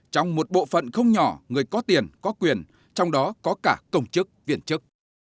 trong một bộ phận không nhỏ người có tiền có quyền trong đó có cả công chức viên chức